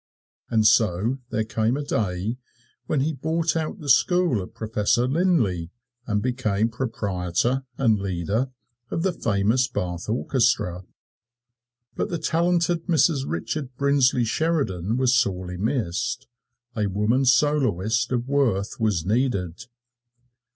And so there came a day when he bought out the school of Professor Linlay, and became proprietor and leader of the famous Bath Orchestra. But the talented Mrs. Richard Brinsley Sheridan was sorely missed a woman soloist of worth was needed.